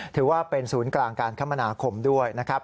ถือว่าเป็นศูนย์กลางการคมนาคมด้วยนะครับ